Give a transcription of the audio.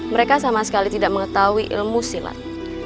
mereka sama sekali tidak mengetahui ilmu silat